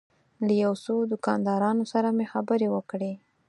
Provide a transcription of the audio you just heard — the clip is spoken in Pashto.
له یو څو دوکاندارانو سره مې خبرې وکړې.